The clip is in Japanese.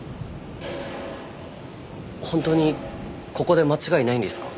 本当にここで間違いないんですか？